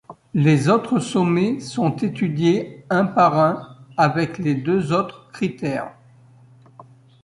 Les autres sommets sont étudiés un par un avec les deux autres critères.